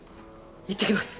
いってきます！